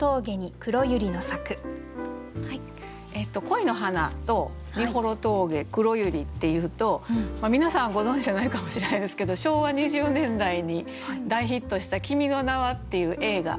「恋の花」と「美幌峠」「黒百合」っていうと皆さんご存じじゃないかもしれないですけど昭和２０年代に大ヒットした「君の名は」っていう映画。